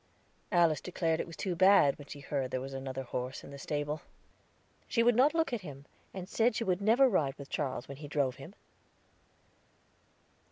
Alice declared it was too bad, when she heard there was another horse in the stable. She would not look at him, and said she would never ride with Charles when he drove him.